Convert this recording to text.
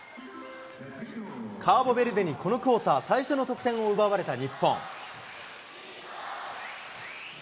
カーボベルデにこのクオーター、最初の得点を奪われた日本。